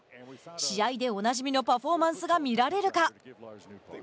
試合でおなじみのパフォーマンスが見られるか。